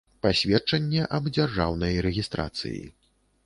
Пасведчанне аб дзяржаўнай рэгiстрацыi.